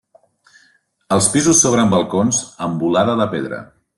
Als pisos s'obren balcons amb volada de pedra.